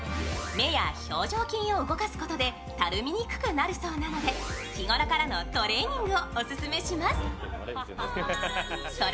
目や表情筋を動かすことでたるみにくくなるそうなので日頃からのトレーニングをオススメします。